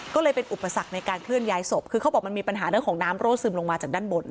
ก็เลยเป็นอุปสรรคในการเคลื่อนย้ายศพคือเขาบอกมันมีปัญหาเรื่องของน้ำรั่วซึมลงมาจากด้านบน